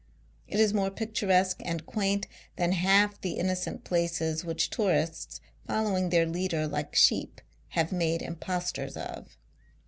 It is more picturesque and quaint than half the innocent places which tourists, following their leader like sheep, have made impostors of.